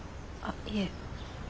あっいえ。